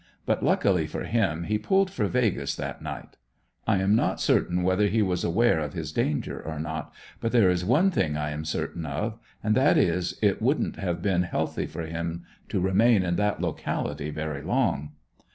But luckily for him he pulled for "Vegas" that night. I am not certain whether he was aware of his danger or not, but there is one thing I am certain of and that is, it wouldn't have been healthy for him to remain in that locality very long.